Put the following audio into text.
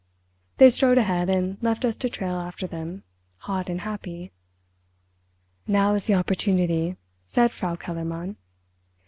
They strode ahead and left us to trail after them—hot and happy. "Now is the opportunity," said Frau Kellermann.